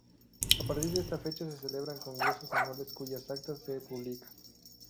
A partir de esta fecha se celebran congresos anuales cuyas actas se publican.